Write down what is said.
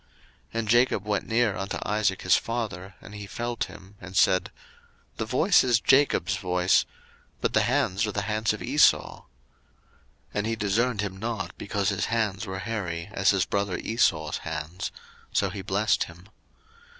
01:027:022 And Jacob went near unto Isaac his father; and he felt him, and said, The voice is Jacob's voice, but the hands are the hands of Esau. 01:027:023 And he discerned him not, because his hands were hairy, as his brother Esau's hands: so he blessed him.